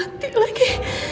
ayah mati lagi